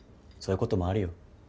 そういうこともあるよ。